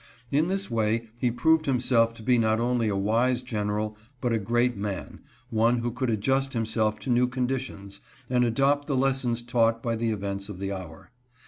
In this way he proved himself to be not only a wise general, but a great man — one who could adjust himself to new con ditions, and adopt the lessons taught by the events of the hour.